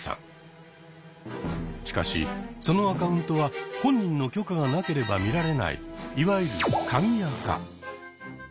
しかしそのアカウントは本人の許可がなければ見られないいわゆる「鍵アカ」。